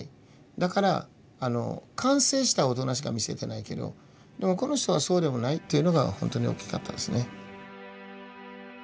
だから完成した大人しか見せてないけどでもこの人はそうでもないっていうのが本当に大きかったですね。